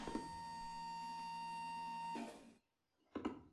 Londres, Bruselas y Fráncfort del Meno son las tres rutas comerciales superiores.